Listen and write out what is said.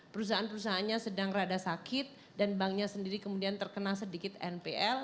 perusahaan perusahaannya sedang rada sakit dan banknya sendiri kemudian terkena sedikit npl